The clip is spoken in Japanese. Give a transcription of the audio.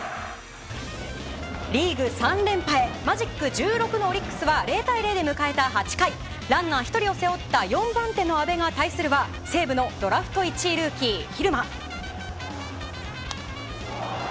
リーグ３連覇へマジック１６のオリックスは０対０で迎えた８回ランナー１人を背負った４番手の阿部が対するは西武のドラフト１位ルーキー蛭間。